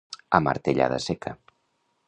A martellada seca.